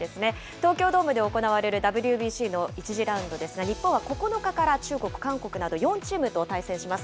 東京ドームで行われるＷＢＣの１次ラウンドですが、日本は９日から中国、韓国など４チームと対戦します。